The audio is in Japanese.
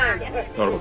なるほど。